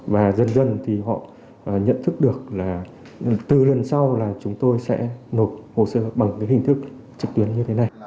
và dần dần thì họ nhận thức được là từ lần sau là chúng tôi sẽ nộp hồ sơ bằng cái hình thức trực tuyến như thế này